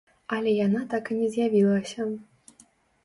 Але яна так і не з'явілася.